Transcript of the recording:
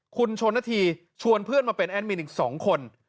คุณชนนาธีชวนเพื่อนมาเป็นแอดมินอีก๒คน